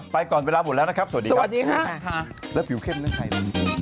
ไปก่อนเป็นเวลาหมดแล้วนะครับสวัสดีครับสวัสดีครับค่ะแล้วผิวเข้มแล้วใคร